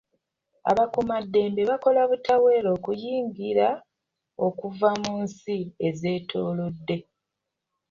Abakuumaddembe bakola butaweera okuyingira okuva mu nsi ezeetoolodde.